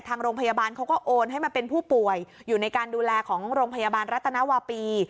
ทางโรงพยาบาลเขาก็โอนให้มาเป็นผู้ป่วยอยู่ในการดูแลของโรงพยาบาลรัฐนาวาปี